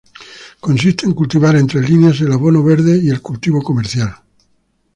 Consiste en cultivar entre líneas el abono verde y el cultivo comercial.